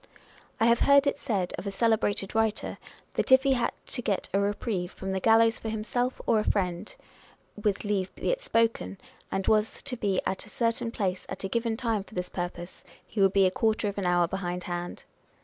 I have heard it said of a celebrated writer, that if he had to get a reprieve from the gallows for himself or a friend (with leave be it spoken), and was to be at a certain place at a given time for this purpose, he would be a quarter of an hour behindhand.